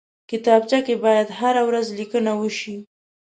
کتابچه کې باید هره ورځ لیکنه وشي